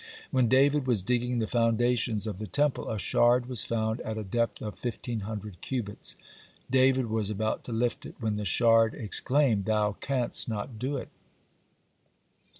When David was digging the foundations of the Temple, a shard was found at a depth of fifteen hundred cubits. David was about to lift it, when the shard exclaimed: "Thou canst not do it."